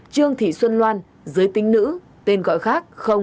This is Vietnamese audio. trương thị xuân loan giới tính nữ tên gọi khác